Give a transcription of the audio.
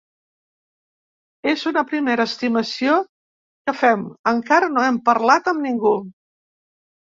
És una primera estimació que fem, encara no hem parlat amb ningú.